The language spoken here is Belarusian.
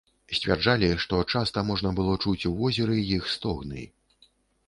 Сцвярджалі, што часта можна было чуць у возеры іх стогны.